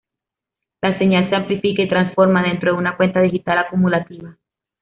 La señal se amplifica y transforma dentro de una cuenta digital acumulativa.